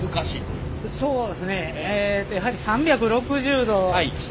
そうですね。